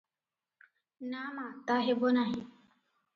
ନା ମା, ତା ହେବ ନାହିଁ ।